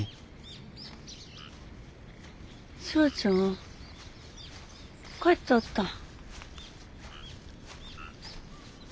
ツヤちゃん帰っとったん。